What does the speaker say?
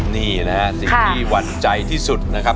นี่นะฮะสิ่งที่หวั่นใจที่สุดนะครับ